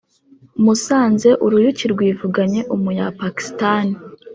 Musanze uruyuki rwivuganye umuyapakistani